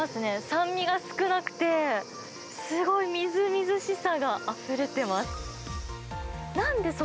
酸味が少なくて、すごいみずみずしさがあふれてます。